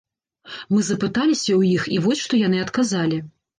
Мы запыталіся ў іх, і вось што яны адказалі.